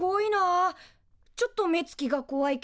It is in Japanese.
ちょっと目つきがこわいけど。